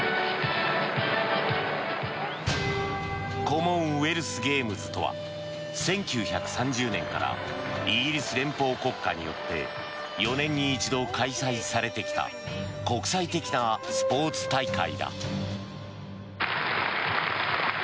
コモンウェルスゲームズとは１９３０年からイギリス連邦国家によって４年に一度開催されてきた国際的なスポーツ大会だ。